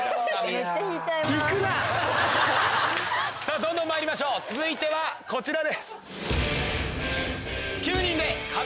どんどんまいりましょう続いてはこちらです。